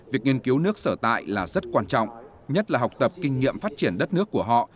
việc nghiên cứu nước sở tại là rất quan trọng nhất là học tập kinh nghiệm phát triển đất nước của họ